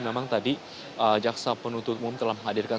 memang tadi jaksa penuntut umum telah menghadirkan